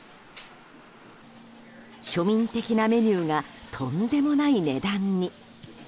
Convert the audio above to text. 庶民的なメニューがとんでもない値段に。